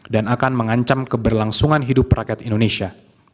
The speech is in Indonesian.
dan akan mengancam keberlangsungan hidup rakyat indonesia